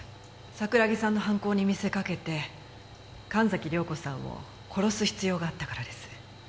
桜木さんの犯行に見せかけて神崎涼子さんを殺す必要があったからです。